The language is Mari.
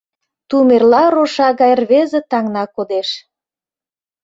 Тумерла роша гай рвезе таҥна кодеш